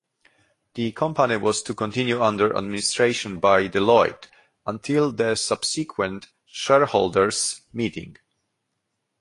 The company was to continue under administration by Deloitte, until the subsequent shareholders' meeting.